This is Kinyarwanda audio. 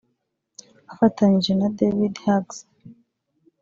afatanyije na David Hughes